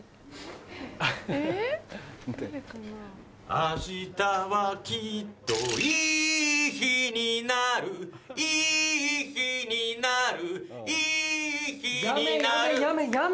明日はきっといい日になるいい日になるいい日になるやめやめやめやめ！